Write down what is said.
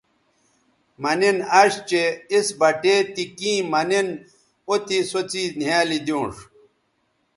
مہ نِن اش چہء اِس بٹے تی کیں مہ نِن او تے سو څیز نِھیالی دیونݜ